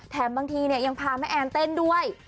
แถมบางทีเนี่ยยังพาแม่แอนเต้นด้วย